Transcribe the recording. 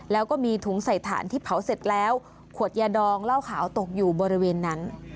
แล้วก็มีถุงใส่ถ่านที่เผาเสร็จแล้วขวดยาดองเหล้าขาวตกอยู่บริเวณนั้น